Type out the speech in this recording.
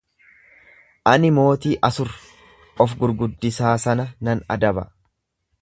Ani mootii Asur of gurguddisaa sana nan adaba.